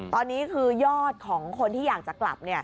ตอนนี้คือยอดของคนที่อยากจะกลับ